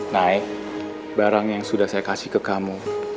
naik barang yang sudah saya kasih ke kamu